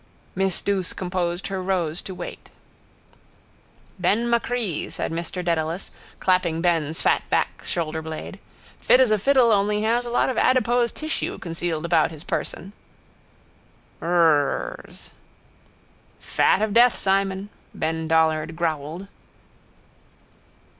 Miss Douce composed her rose to wait. —Ben machree, said Mr Dedalus, clapping Ben's fat back shoulderblade. Fit as a fiddle only he has a lot of adipose tissue concealed about his person. Rrrrrrrsss. —Fat of death, Simon, Ben Dollard growled.